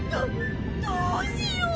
どどうしよう。